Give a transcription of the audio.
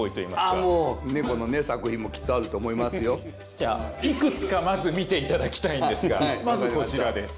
じゃあいくつかまず見て頂きたいんですがまずこちらです。